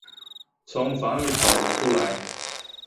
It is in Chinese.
从房里跑了出来